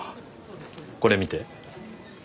これ見て。